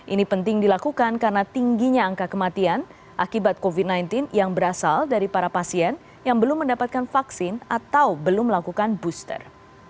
ini penting dilakukan karena tingginya angka kematian akibat covid sembilan belas yang berasal dari para pasien yang belum mendapatkan vaksin atau belum melakukan booster